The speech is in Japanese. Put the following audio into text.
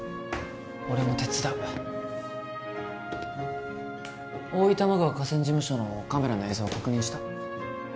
俺も手伝う大井玉川河川事務所のカメラの映像は確認した？